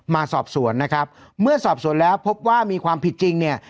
มาสอบสวนนะครับเมื่อสอบสวนแล้วพบว่ามีความผิดจริงเนี่ย